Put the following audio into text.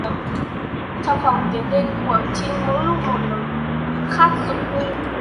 Trong phòng tiếng rên của trinh mỗi lúc một lớn khát dục hơn